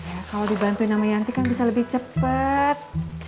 ya kalau dibantuin sama yanti kan bisa lebih cepet